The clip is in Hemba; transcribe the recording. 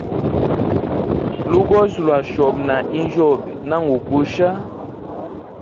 Lugozi lwa chobe na ninjyobe, nangu kusha.